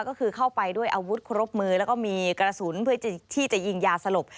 ก็คือเข้าไปด้วยอาวุธครบมือแล้วก็มีกระสุนเพื่อที่จะยิงยาสลบ